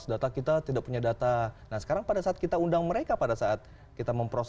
data kita tidak punya data nah sekarang pada saat kita undang mereka pada saat kita memproses